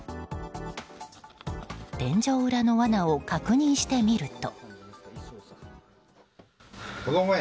天井裏のわなを確認してみると。